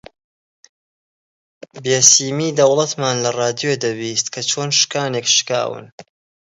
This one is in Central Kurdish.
بێسیمی دەوڵەتمان لە ڕادیۆ دەبیست کە چۆن شکانێک شکاون